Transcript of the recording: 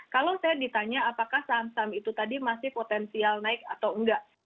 kalau saya ditanya apakah saham saham itu tadi masih potensial naik atau enggak